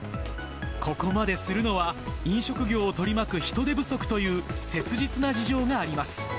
ここまでするのは、飲食業を取り巻く人手不足という切実な事情があります。